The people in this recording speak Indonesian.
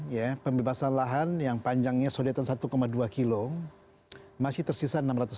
ya pembebasan lahan yang panjangnya sodetan satu dua kilo masih tersisa enam ratus sepuluh